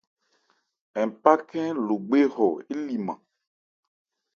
Npá khɛ́n Logbe hɔ éliman.